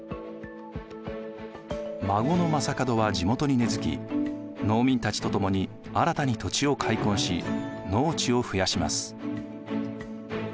孫の将門は地元に根づき農民たちと共に新たに土地を開墾し農地を増やします。